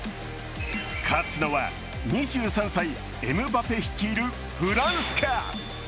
勝つのは、２３歳、エムバペ率いるフランスか。